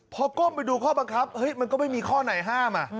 พอก้มไปดูข้อบังคับมันก็ไม่มีข้อไหนห้าม